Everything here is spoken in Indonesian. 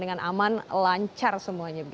dengan aman lancar semuanya